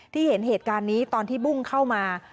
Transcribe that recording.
เห็นเหตุการณ์นี้ตอนที่บุ้งเข้ามา